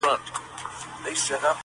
چي خپل مُلا چي خپل لښکر او پاچا ولټوو!